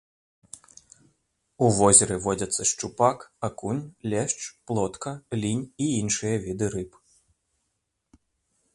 У возеры водзяцца шчупак, акунь, лешч, плотка, лінь і іншыя віды рыб.